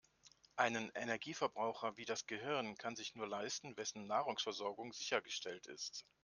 Einen Energieverbraucher wie das Gehirn kann sich nur leisten, wessen Nahrungsversorgung sichergestellt ist.